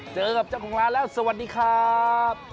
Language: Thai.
เจอกับเจ้าของร้านแล้วสวัสดีครับ